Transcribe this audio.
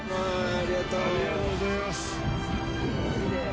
ありがとうございます！